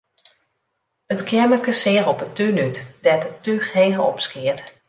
It keammerke seach op 'e tún út, dêr't it túch heech opskeat.